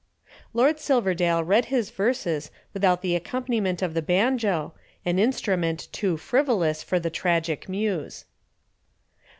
Lord Silverdale read his verses without the accompaniment of the banjo, an instrument too frivolous for the tragic muse.